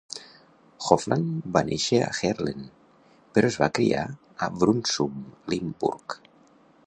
Hofland va néixer a Heerlen, però es va criar a Brunssum, Limburg.